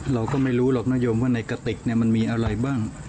เราก็ไม่รู้หรอกนโยมว่าในกระติกมันมีอะไรบ้าง